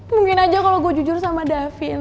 mungkin aja kalau gue jujur sama davin